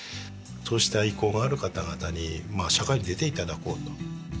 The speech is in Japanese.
そうした意向がある方々に社会に出ていただこうと。